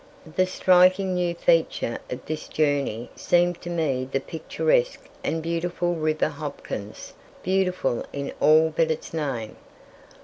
The striking new feature of this journey seemed to me the picturesque and beautiful River Hopkins beautiful in all but its name!